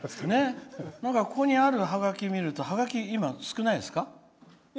ここにあるハガキ見るとハガキ、今少ないですか？